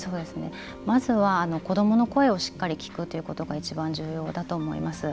まずは子どもの声をしっかり聞くということが一番重要だと思います。